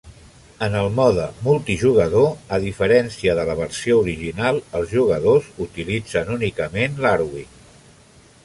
En el mode multijugador, a diferència de la versió original, els jugadors utilitzen únicament l'Arwing.